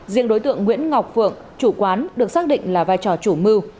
riêng đối tượng nguyễn ngọc phượng chủ quán được xác định là vai trò chủ mưu